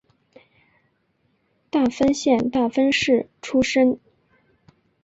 大分县大分市出身。